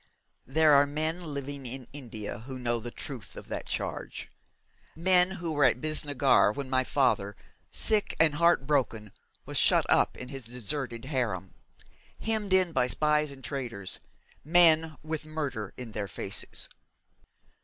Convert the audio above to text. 'There are men living in India who know the truth of that charge: men who were at Bisnagar when my father, sick and heartbroken, was shut up in his deserted harem, hemmed in by spies and traitors, men with murder in their faces.